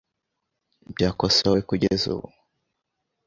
Byakosowe kugeza ubu?